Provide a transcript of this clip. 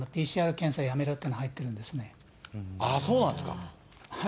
ＰＣＲ検査やめろっていうのが入そうなんですか。